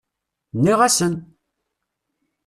Nniɣ-asen!